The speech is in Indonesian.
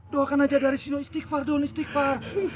doakan aja dari sini istighfar don istighfar